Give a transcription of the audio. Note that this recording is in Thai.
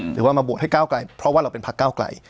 หรือว่ามาโหวตให้ก้าวไกลเพราะว่าเราเป็นพักเก้าไกล